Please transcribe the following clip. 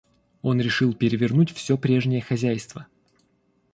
Он решил перевернуть всё прежнее хозяйство.